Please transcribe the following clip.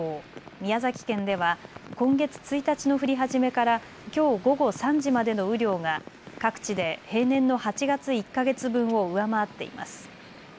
宮崎県では今月１日の降り始めからきょう午後３時までの雨量が各地で平年の８月１か月分を上回っています。